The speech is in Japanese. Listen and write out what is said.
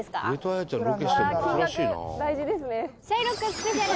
「金額大事ですね」